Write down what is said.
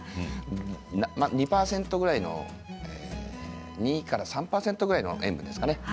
２％ぐらいの２から３％くらいの塩分ですかね。